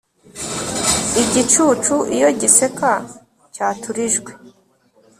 igicucu iyo giseka, cyatura ijwi